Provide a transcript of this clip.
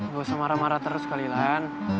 gak usah marah marah terus kali lan